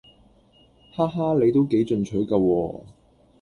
哈哈你都幾進取㗎喎